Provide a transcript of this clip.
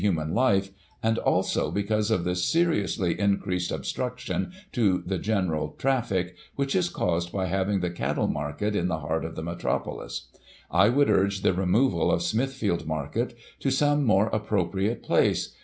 [1846 human life, and, also, because of the seriously increased ob struction to the general traffic, which is caused by having the cattle market in the heart of the metropolis, I would urge the removal of Smithfield Market to some more appropriate place.